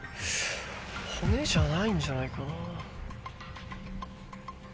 骨じゃないんじゃないかな。